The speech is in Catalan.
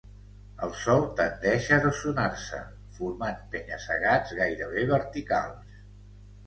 El sòl tendeix a erosionar-se, formant penya-segats gairebé verticals.